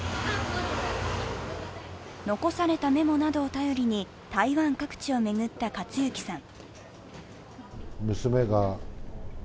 残されたメモなどを頼りに台湾各地を巡った克之さん。